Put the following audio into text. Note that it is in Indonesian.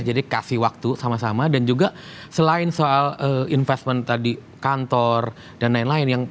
jadi dikasih waktu sama sama dan juga selain soal investment tadi kantor dan lain lain